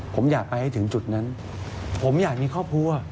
ผมอยากไปให้ถึงจุดนั้นผมอยากมีครอบครัว